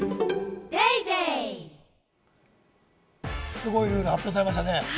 すごいルール発表されましたね。